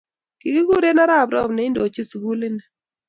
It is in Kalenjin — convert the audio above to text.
Kikuren arap Rop neindochin sukuli ni